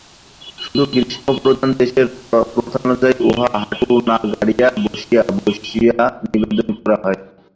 শুধু গ্রীষ্মপ্রধান দেশের প্রথানুযায়ী উহা হাঁটু না গাড়িয়া, বসিয়া বসিয়া নিবেদন করা হয়।